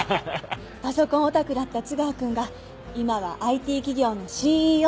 パソコンオタクだった津川くんが今はＩＴ企業のＣＥＯ。